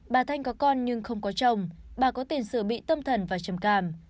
bà thanh có con nhưng không có chồng bà có tiền sử bị tâm thần và trầm cảm